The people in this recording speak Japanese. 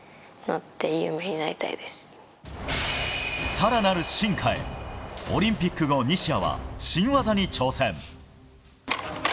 更なる進化へ、オリンピック後西矢は新技に挑戦。